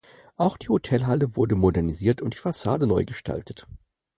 Auch die Hotelhalle wurde modernisiert und die Fassade neu gestaltet.